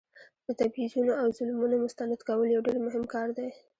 د تبعیضونو او ظلمونو مستند کول یو ډیر مهم کار دی.